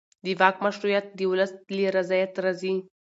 د واک مشروعیت د ولس له رضایت راځي